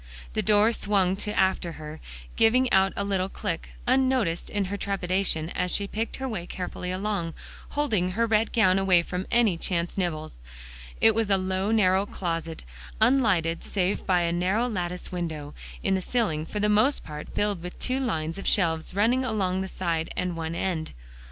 The door swung to after her, giving out a little click, unnoticed in her trepidation as she picked her way carefully along, holding her red gown away from any chance nibbles. It was a low narrow closet, unlighted save by a narrow latticed window, in the ceiling, for the most part filled with two lines of shelves running along the side and one end.